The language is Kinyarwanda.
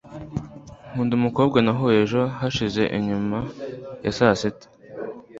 nkunda umukobwa nahuye ejo hashize nyuma ya saa sita